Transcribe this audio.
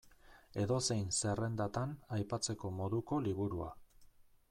Edozein zerrendatan aipatzeko moduko liburua.